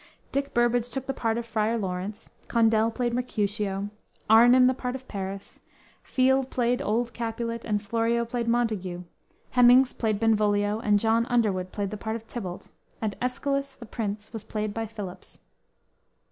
Dick Burbage took the part of Friar Laurence, Condell played Mercutio, Arnim the part of Paris, Field played old Capulet, and Florio played Montague, Hemmings played Benvolio, and John Underwood played the part of Tybalt, and Escalus, the Prince, was played by Phillips.